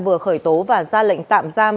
vừa khởi tố và ra lệnh tạm giam